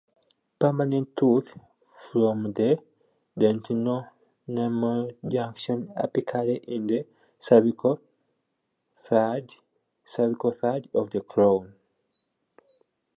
Permanent tooth:- From the dentinoenamel junction apically in the cervical third of the crown.